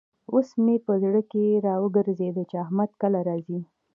اوس مې په زړه کې را وګرزېد چې احمد کله راځي.